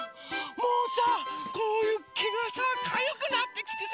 もうさこうけがさかゆくなってきてさ